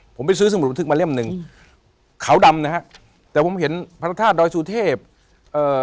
ผมไปซื้อสมุดบันทึกมาเล่มหนึ่งขาวดำนะฮะแต่ผมเห็นพระธาตุดอยสุเทพเอ่อ